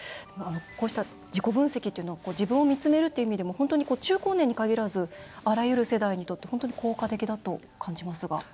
こうした自己分析というのは自分を見つめるっていう意味でも本当に中高年に限らずあらゆる世代にとって本当に効果的だと感じますが。